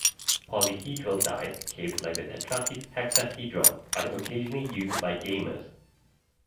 Polyhedral dice shaped like the tetrakis hexahedron are occasionally used by gamers.